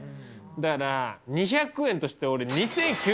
だから、２００円として、俺、２９００円。